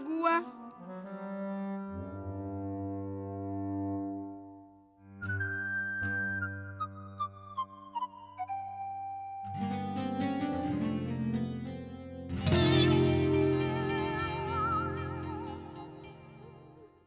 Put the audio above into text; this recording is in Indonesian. kau kok agak sedih mainan